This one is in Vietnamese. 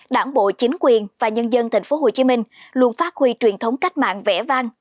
đảng bộ chính quyền và nhân dân thành phố hồ chí minh luôn phát huy truyền thống cách mạng vẽ vang